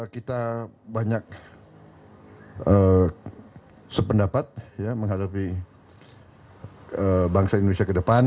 kita banyak sependapat menghadapi bangsa indonesia ke depan